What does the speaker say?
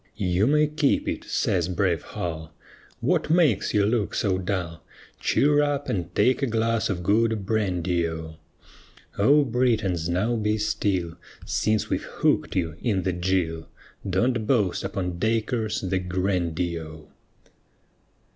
"You may keep it," says brave Hull. "What makes you look so dull? Cheer up and take a glass of good brandy O;" O Britons now be still, Since we've hooked you in the gill, Don't boast upon Dacres the grandee O.